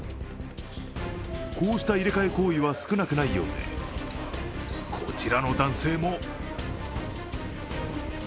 こうした入れ替え行為は少なくないようでこちらの男性も。